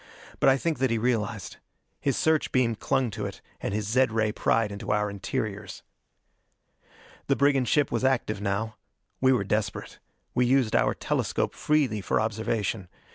But I think that he realized. His search beam clung to it, and his zed ray pried into our interiors. The brigand ship was active now. We were desperate: we used our telescope freely for observation.